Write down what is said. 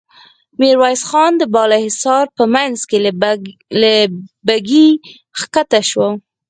ميرويس خان د بالا حصار په مينځ کې له بګۍ کښته شو.